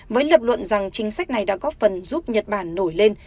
với lập luận rằng chính sách này đã góp phần giúp nhật bản nổi lên